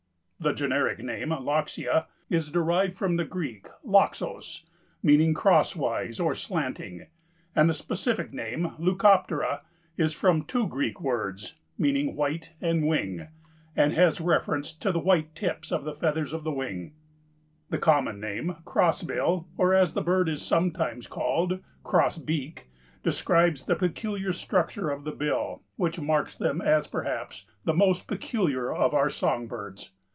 The generic name Loxia is derived from the Greek loxos, meaning crosswise or slanting, and the specific name leucoptera is from two Greek works, meaning white and wing, and has reference to the white tips of the feathers of the wings. The common name, Crossbill, or, as the bird is sometimes called, Crossbeak, describes the peculiar structure of the bill which marks them as perhaps the most peculiar of our song birds.